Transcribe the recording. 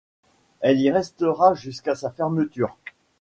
Elle y restera jusqu'à sa fermeture.